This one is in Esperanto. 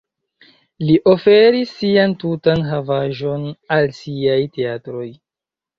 Li oferis sian tutan havaĵon al siaj teatroj.